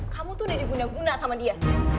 kamu tuh udah juga guna guna sama dia